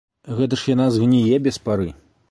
Гэта ж яна згніе без пары.